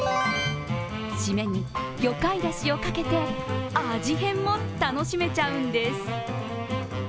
締めに魚介だしをかけて味変も楽しめちゃうんです。